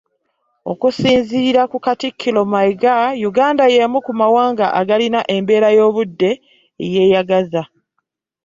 Okusinziira ku katikkiro Mayiga, Uganda y'emu ku mawanga agalina embeera y'obudde eyeeyagaza.